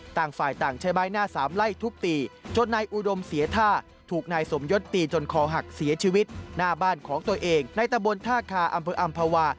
ต่างฝ่ายต่างใช้ใบหน้าสามไล่ทุบตีจนนายอุดมเสียท่าถูกนายสมยศตีจนคอหักเสียชีวิตหน้าบ้านของตัวเองในตะบนท่าคาอำเภออำภาวา